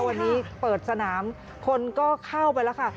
วันนี้เปิดสนามคนก็เข้าไปแล้วค่ะ